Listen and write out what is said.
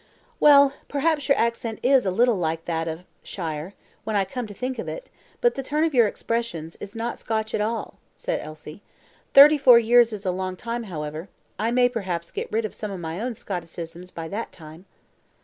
"Well, perhaps your accent is a little like that of shire, when I come to think of it; but the turn of your expressions is not Scotch at all," said Elsie. "Thirty four years is a long time, however; I may, perhaps, get rid of some of my own Scotticisms by that time."